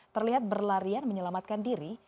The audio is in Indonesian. terlihat berlarian menyelamatkan diri